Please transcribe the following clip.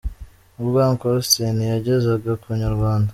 Ubwo Uncle Austin yagezaga ku Inyarwanda.